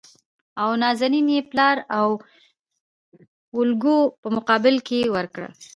او نازنين يې پلار د اوولکو په مقابل کې ورکړه .